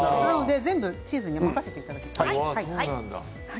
全部チーズに任せていただいて。